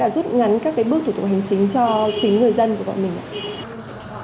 với các bước thủ tục hành chính cho chính người dân của bọn mình